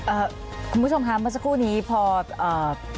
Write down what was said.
คุณผู้ชมค่ะเมื่อสักครู่นี้พออ่า